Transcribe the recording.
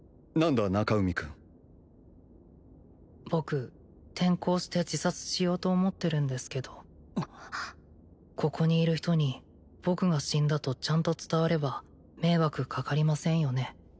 何だ中海君僕転校して自殺しようと思ってるんですけどここにいる人に僕が死んだとちゃんと伝われば迷惑かかりませんよね？